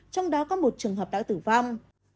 trong đó có một trường hợp đã tử vong